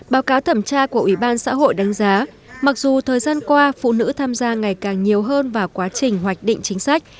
báo cáo thẩm tra của ủy ban xã hội đánh giá mặc dù thời gian qua phụ nữ tham gia ngày càng nhiều hơn vào quá trình hoạch định chính sách